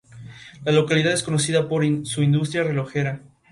La localidad es conocida por su industria relojera.